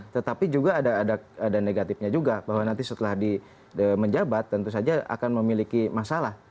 tetapi juga ada negatifnya juga bahwa nanti setelah di menjabat tentu saja akan memiliki masalah